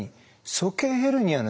鼠径ヘルニアの。